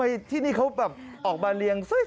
เออที่นี่เขาเป็นแบบออกมาเลี่ยงสวย